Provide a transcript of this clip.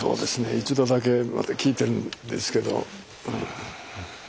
一度だけ聞いてるんですけど。